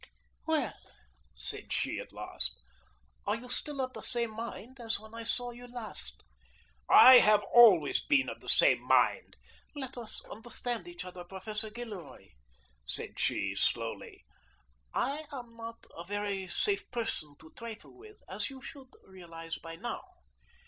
"Well," said she at last, "are you still of the same mind as when I saw you last?" "I have always been of the same mind." "Let us understand each other, Professor Gilroy," said she slowly. "I am not a very safe person to trifle with, as you should realize by now.